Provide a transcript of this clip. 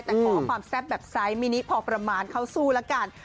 แต่ขอความแซ่บแบบไซส์มินิพอประมาณเข้าสู้แล้วกัน